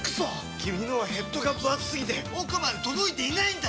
君のはヘッドがぶ厚すぎて奥まで届いていないんだっ！